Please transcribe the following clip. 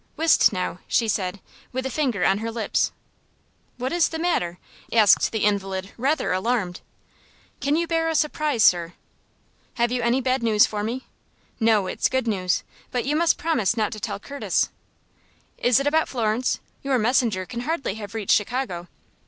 "Whist now," she said, with her finger on her lips. "What is the matter?" asked the invalid, rather alarmed. "Can you bear a surprise, sir?" "Have you any bad news for me?" "No; it's good news, but you must promise not to tell Curtis." "Is it about Florence? Your messenger can hardly have reached Chicago."